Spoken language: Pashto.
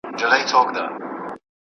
زه به اوږده موده لوبي کوم؟!